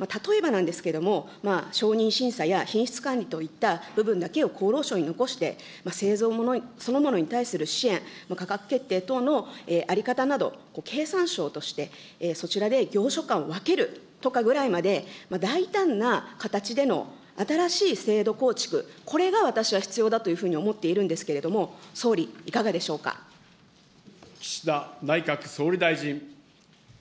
例えばなんですけれども、承認審査や品質管理といった部分だけを厚労省に残して、製造そのものに対する支援、価格決定等の在り方など、経産省として、そちらで業所管を分けるとかぐらいまで、大胆な形での新しい制度構築、これが私は必要だというふうに思っているんですけれども、岸田内閣総理大臣。